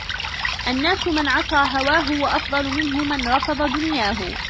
النَّاسِ مَنْ عَصَى هَوَاهُ ، وَأَفْضَلُ مِنْهُ مَنْ رَفَضَ دُنْيَاهُ